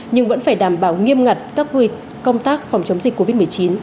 nhưng vẫn phải đảm bảo nghiêm ngặt các công tác phòng chống dịch covid một mươi chín